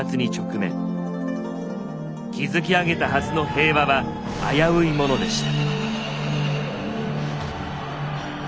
築き上げたはずの平和は危ういものでした。